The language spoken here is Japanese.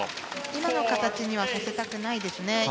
今の形にはさせたくないですね。